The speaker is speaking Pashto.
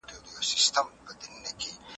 موږ تل د نوي علم ترلاسه کولو ته اړتیا لرو.